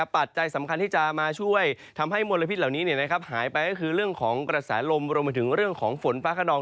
ปัจจัยสำคัญที่จะมาช่วยทำให้มลพิษเหล่านี้หายไปก็คือเรื่องของกระแสลมรวมไปถึงเรื่องของฝนฟ้าขนอง